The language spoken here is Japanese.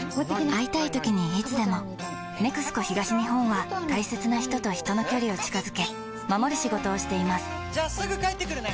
会いたいときにいつでも「ＮＥＸＣＯ東日本」は大切な人と人の距離を近づけ守る仕事をしていますじゃあすぐ帰ってくるね！